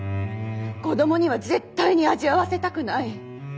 子供には絶対に味わわせたくない。